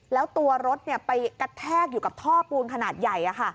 แล้วตัวรถไปกระแทกอยู่กับท่อปูนขนาดใหญ่